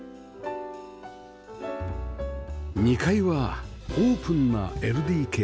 ２階はオープンな ＬＤＫ